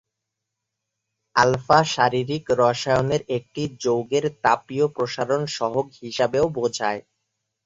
Alpha শারীরিক রসায়নের একটি যৌগের তাপীয় প্রসারণ সহগ হিসাবেও বোঝায়।